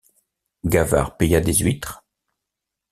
Gavard paya des huîtres.